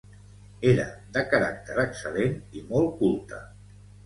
Era de caràcter excel·lent i molt culte.